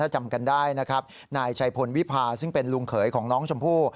จำกันได้นะครับนายชัยพลวิพาซึ่งเป็นลุงเขยของน้องชมพู่